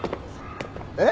えっ？